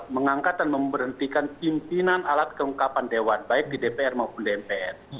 mengangkat dan memberhentikan pimpinan alat kelengkapan dewan baik di dpr maupun dpr